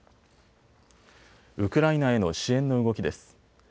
ウクライナへの支援の動きです。